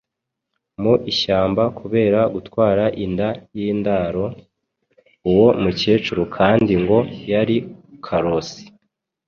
mu ishyamba kubera gutwara inda y’indaro. Uwo mukecuru kandi ngo yari karosi,